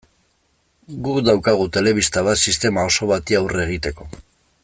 Guk daukagu telebista bat sistema oso bati aurre egiteko.